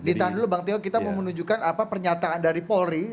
ditahan dulu bang teo kita mau menunjukkan apa pernyataan dari polri